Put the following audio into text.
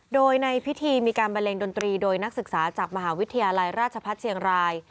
โดยในพิธีมีการบันเลงดนตรีโดยนักศึกษาจากมหาวิทยาลัยราชพัฒน์เชียงราย